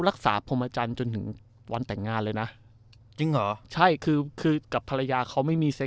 รักษาพรมอาจารย์จนถึงวันแต่งงานเลยนะจริงเหรอใช่คือคือกับภรรยาเขาไม่มี